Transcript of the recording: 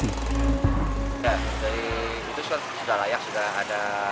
sudah dari itu sudah layak sudah ada persyaratan